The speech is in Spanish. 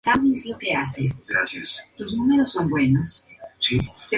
La roca es basáltica y data del Carbonífero.